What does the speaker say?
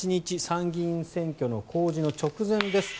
参議院選挙の公示の直前です。